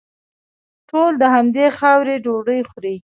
ټول د همدې خاورې ډوډۍ خوري.